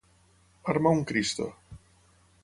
Armar un Cristo.